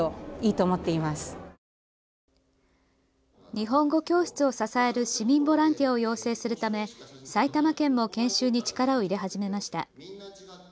日本語教室を支える市民ボランティアを養成するため埼玉県も研修に力を入れ始めました。